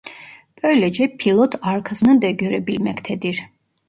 Böylece pilot arkasını da görebilmektedir.